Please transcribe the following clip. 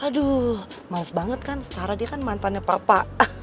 aduh males banget kan secara dia kan mantannya papa